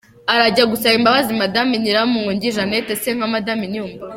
Arajya gusaba imbabazi Madame Nyiramongi Jeannette se nka Madame Inyumba?